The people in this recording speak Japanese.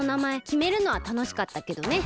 きめるのはたのしかったけどね。